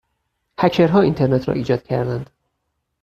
هکرها اینترنت را ایجاد کردند.